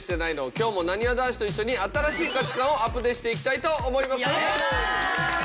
今日もなにわ男子と一緒に新しい価値観をアプデしていきたいと思います。